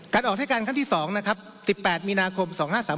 การออกทะการครั้งที่๒นะครับ๑๘มีนาคม๒๕๓๖